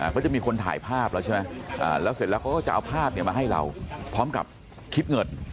ก็จะมีคนถ่ายภาพแล้วใช่ไหมแล้วเสร็จแล้วเขาก็จะเอาภาพมาให้เราพร้อมกับคิดเงิน